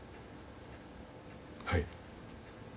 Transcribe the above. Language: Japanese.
はい。